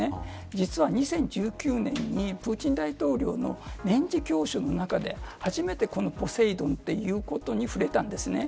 実は２０１９年にプーチン大統領の年次教書の中で初めてこのポセイドンということに触れたんです。